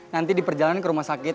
nanti diperjalankan ke rumah sakit